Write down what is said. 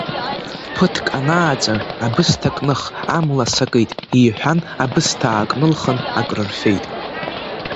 Ԥыҭк анааҵы, абысҭа кных, амла сакит, — иҳәан, абысҭа аакнылхын акрырфеит.